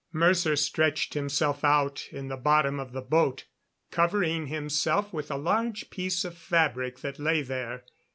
Mercer stretched himself out in the bottom of the boat, covering himself with a large piece of fabric that lay there.